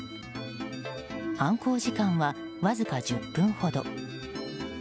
犯行時間はわずか１０分ほど。